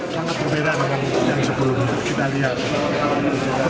di tempat pelayanan publik yang sekarang kita tinggal nyaman